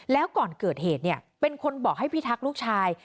แล้วก่อนเกิดเหตุเนี่ยเป็นคนบอกให้พิทักษ์ลูกชาย